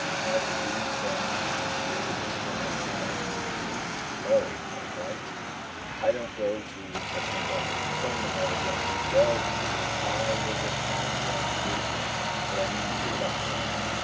"Have you been to hear this man, Burnett?" said he. "No," I replied; "I don't go to such humbug. Come and have a drink." "Well," said he, "I will just have one with you; but I mean to give it up, Tom.